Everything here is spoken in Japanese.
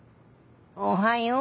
おはよう。